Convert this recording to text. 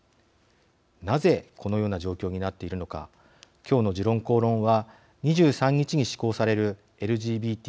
なぜ、このような状況になっているのか今日の「時論公論」は２３日に施行されるＬＧＢＴ